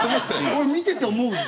俺見てて思うもん。